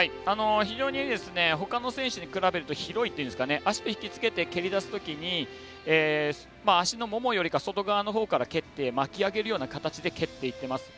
非常にほかの選手に比べると広いというか足をひきつけて蹴り出すときに足のももより外側のほうから蹴って巻き上げるような形で蹴っていっています。